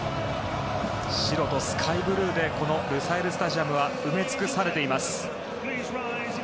白とスカイブルーでこのルサイル・スタジアムは埋め尽くされています。